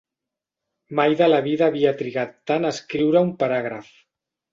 Mai de la vida havia trigat tant a escriure un paràgraf.